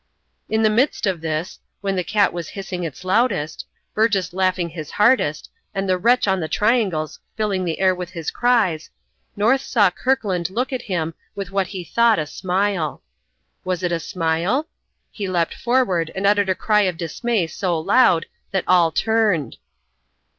In the midst of this when the cat was hissing its loudest Burgess laughing his hardest, and the wretch on the triangles filling the air with his cries, North saw Kirkland look at him with what he thought a smile. Was it a smile? He leapt forward, and uttered a cry of dismay so loud that all turned.